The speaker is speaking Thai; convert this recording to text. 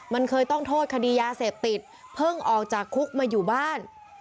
มันเคยต้องโทษคดียาเสพติดเพิ่งออกจากคุกมาอยู่บ้าน